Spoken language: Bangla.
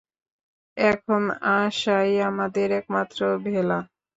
এখন আশাই আমাদের একমাত্র ভেলা।